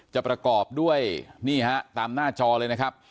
ประกอบด้วยนี่ฮะตามหน้าจอเลยนะครับ